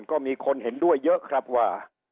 ก็มีคนเห็นด้วยเยอะครับว่า